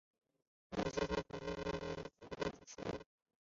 他也是泛星计画台湾团队的其中一位共同主持人。